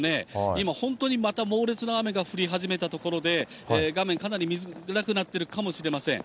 今、本当にまた猛烈な雨が降り始めた所で、画面、かなり見づらくなってるかもしれません。